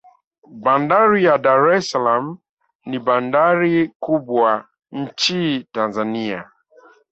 bandari ya dar es salaam ni bandari kubwa nchin tanzania